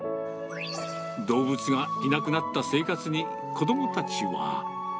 動物がいなくなった生活に、子どもたちは。